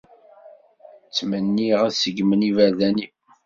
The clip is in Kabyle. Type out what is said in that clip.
Ttmenniɣ ad seggmen iberdan-iw.